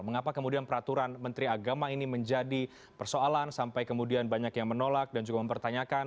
mengapa kemudian peraturan menteri agama ini menjadi persoalan sampai kemudian banyak yang menolak dan juga mempertanyakan